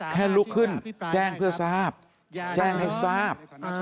ลุกขึ้นแจ้งเพื่อทราบแจ้งให้ทราบ